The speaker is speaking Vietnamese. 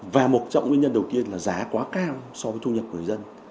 và một trong nguyên nhân đầu tiên là giá quá cao so với thu nhập của người dân